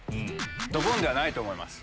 ドボンではないと思います。